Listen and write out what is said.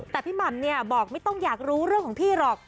แต่พี่หม่ำเนี่ยบอกไม่ต้องอยากรู้เรื่องของพี่หรอก